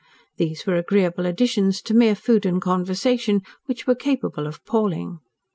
These were agreeable additions to mere food and conversation, which were capable of palling.